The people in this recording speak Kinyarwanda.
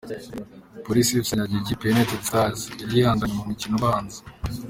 Police Fc yanyagiye ikipe ya United Stars yari yayihagamye mu mukino ubanza.